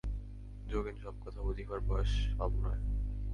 যোগেন, সব কথা বুঝিবার বয়স সব নয়।